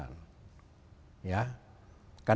karena kepemilikan lahan di sini kan